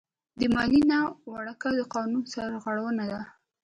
د مالیې نه ورکړه د قانون سرغړونه ده.